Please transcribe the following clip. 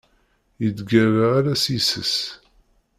Yettgalla ala s yis-s.